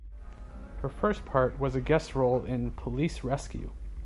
Her first part was a guest role in "Police Rescue".